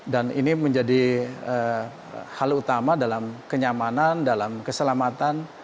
dan ini menjadi hal utama dalam kenyamanan dalam keselamatan